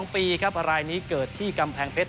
๒ปีครับรายนี้เกิดที่กำแพงเพชร